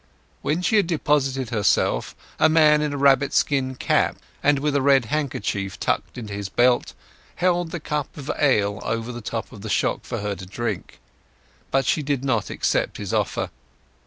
When she had deposited herself a man in a rabbit skin cap, and with a red handkerchief tucked into his belt, held the cup of ale over the top of the shock for her to drink. But she did not accept his offer.